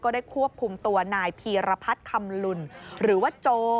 ได้ควบคุมตัวนายพีรพัฒน์คำลุนหรือว่าโจ